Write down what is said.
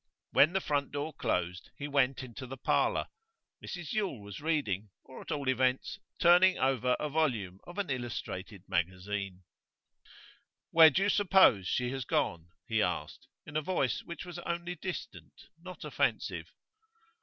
When the front door closed, he went into the parlour. Mrs Yule was reading, or, at all events, turning over a volume of an illustrated magazine. 'Where do you suppose she has gone?' he asked, in a voice which was only distant, not offensive.